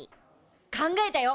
考えたよ